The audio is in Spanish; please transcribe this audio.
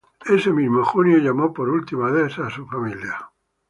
Ese mismo junio, llamó por última vez a su familia.